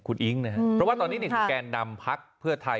คุณอิ๊งนะครับเพราะว่าตอนนี้คือแกนนำพักเพื่อไทย